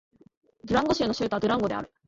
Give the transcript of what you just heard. ドゥランゴ州の州都はドゥランゴである